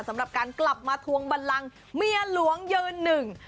สำหรับการกลับมาทวงบันลังเมียหลวงยืนหนึ่ง